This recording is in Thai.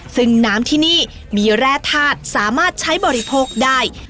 ซึ่งน้ำที่นี่มีแร่ธาตุสามารถใช้บริโภคได้